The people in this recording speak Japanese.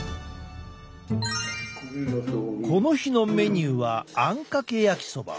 この日のメニューはあんかけやきそば。